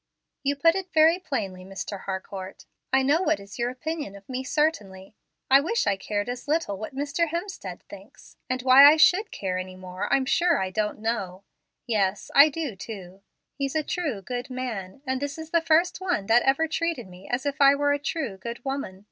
You put it very plainly, Mr. Harcourt. I know what is your opinion of me certainly. I wish I cared as little what Mr. Hemstead thinks; and why I should care any more I'm sure I don't know. Yes, I do, too. He's a true, good man, and is the first one that ever treated me as if I were a true, good woman.